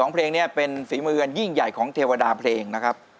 เพลงนี้เป็นฝีมืออันยิ่งใหญ่ของเทวดาเพลงนะครับ